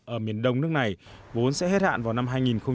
ở miền đông nước này vốn sẽ hết hạn vào năm hai nghìn một mươi chín